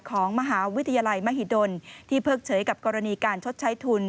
ของมหาวิทยาลัยมหิดลที่เพิกเฉยกับกรณีการชดใช้ทุน